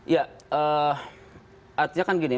ya artinya kan gini